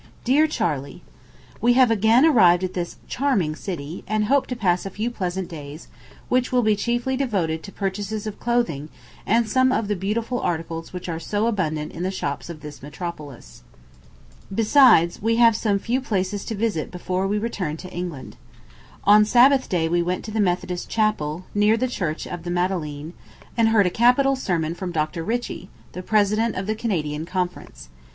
DEAR CHARLEY: We have again arrived at this charming city, and hope to pass a few pleasant days, which will be chiefly devoted to purchases of clothing and some of the beautiful articles which are so abundant in the shops of this metropolis. Besides, we have some few places to visit before we return to England. On Sabbath day we went to the Methodist Chapel, near the Church of the Madeleine, and heard a capital sermon from Dr. Ritchie, the president of the Canadian Conference.